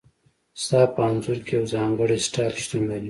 ستا په انځور کې یو ځانګړی سټایل شتون لري